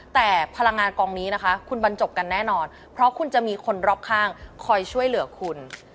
แต่พลังงานกองนี้นะคะคุณบรรจบกันแน่นอนเพราะคุณจะมีคนรอบข้างคอยช่วยเหลือคุณ